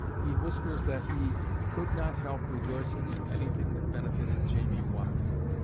He whispers that he "could not help rejoicing at anything that benefited Jamie Watt."